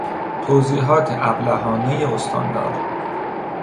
توضیحات ابلهانهی استاندار